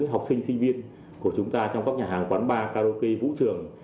học sinh sinh viên của chúng ta trong các nhà hàng quán bar karaoke vũ trường